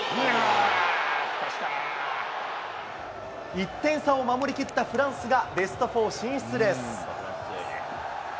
１点差を守りきったフランスが、ベストフォー進出です。